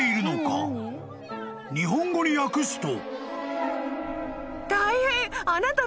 ［日本語に訳すと］